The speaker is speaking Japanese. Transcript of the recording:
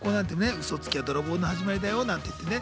「ウソつきは泥棒の始まりだよ」なんていってね